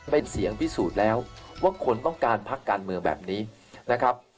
เป็นเสียงพิสูจน์แล้วว่าคนต้องการพักการเมืองแบบนี้นะครับ